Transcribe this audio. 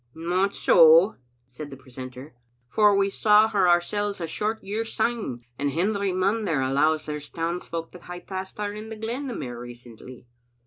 "Not so," said the precentor, "for we saw her our sel's a short year syne, and Hendry Munn there allows there's townsfolk that hae passed her in the glen mair recently."